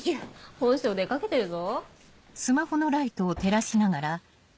本性出かけてるぞ。